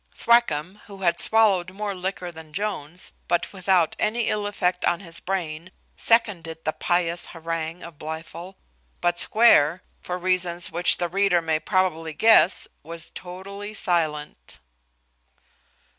Thwackum, who had swallowed more liquor than Jones, but without any ill effect on his brain, seconded the pious harangue of Blifil; but Square, for reasons which the reader may probably guess, was totally silent.